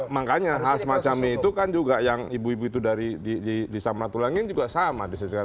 makanya hal semacam itu kan juga yang ibu ibu itu dari di samratulangin juga sama